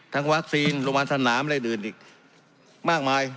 ทั้งวัคซีนรูปัญชาน้ำอะไรอื่นอีกมากมาย